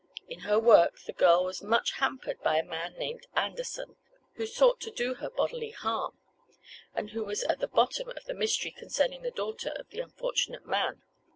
In her work the girl was much hampered by a man named Anderson, who sought to do her bodily harm, and who was at the bottom of the mystery concerning the daughter of the unfortunate man.